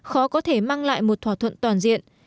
khó có thể mang lại một thỏa thuận toàn diện